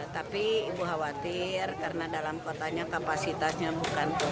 tapi ibu khawatir karena dalam kotanya kapasitasnya bukan